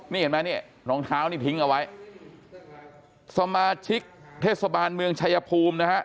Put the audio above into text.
นี่เห็นไหมนี่รองเท้านี่ทิ้งเอาไว้สมาชิกเทศบาลเมืองชายภูมินะฮะ